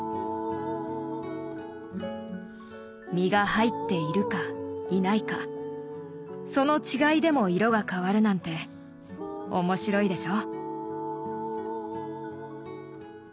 実が入っているかいないかその違いでも色が変わるなんて面白いでしょ。